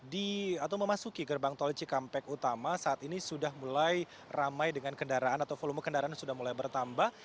di atau memasuki gerbang tol cikampek utama saat ini sudah mulai ramai dengan kendaraan atau volume kendaraan sudah mulai bertambah